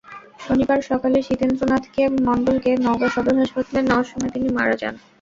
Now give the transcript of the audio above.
শনিবার সকালে শীতেনন্দ্রনাথ মণ্ডলকে নওগাঁ সদর হাসপাতালে নেওয়ার সময় তিনি মারা যান।